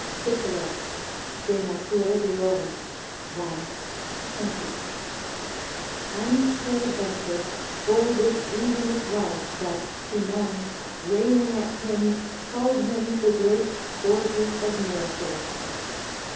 Cicero, De Nat. Deor., i. 20.] and peradventure, for this reason it was that Timon, railing at him, called him the great forger of miracles.